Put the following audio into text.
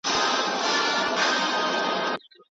ما پرون د الله د قدرتونو په اړه فکر وکړی.